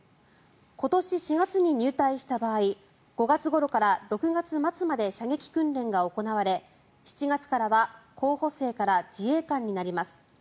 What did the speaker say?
今年４月に入隊した場合５月ごろから６月末まで射撃訓練が行われ７月からは候補生から自衛官になります。